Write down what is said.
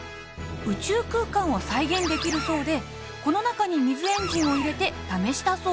宇宙空間を再現できるそうでこの中に水エンジンを入れて試したそうです。